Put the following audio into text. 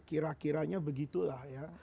kira kiranya begitu lah ya